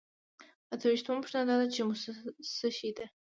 اته ویشتمه پوښتنه دا ده چې موسسه څه شی ده.